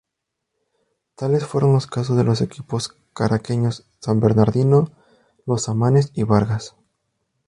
Tales fueron los casos de los equipos caraqueños "San Bernardino", "Los Samanes" y "Vargas".